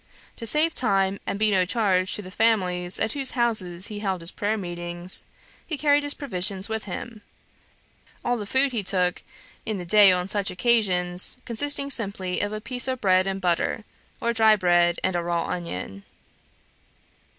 To save time, and be no charge to the families at whose houses he held his prayer meetings, he carried his provisions with him; all the food he took in the day on such occasions consisting simply of a piece of bread and butter, or dry bread and a raw onion.